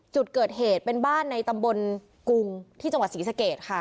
จุดเกิดเหตุเป็นบ้านในตำบลกุงที่จังหวัดศรีสะเกดค่ะ